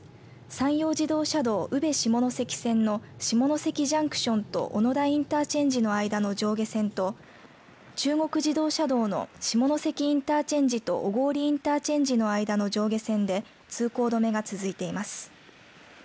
山陽自動車道宇部下関線の下関ジャンクションと小野田インターチェンジの間の上下線と中国自動車道の下関インターチェンジと小郡インターチェンジの間の上下線で通行止めが続いています。